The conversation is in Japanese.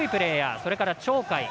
それから鳥海。